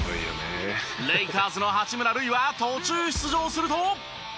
レイカーズの八村塁は途中出場すると。